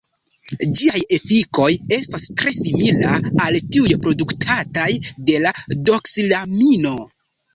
Ĝiaj efikoj estas tre simila al tiuj produktataj de la doksilamino.